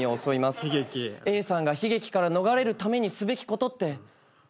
Ａさんが悲劇から逃れるためにすべきことってなんだ。